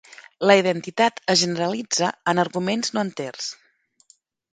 La identitat es generalitza en arguments no enters.